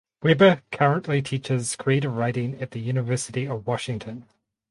Webber currently teaches creative writing at the University of Washington.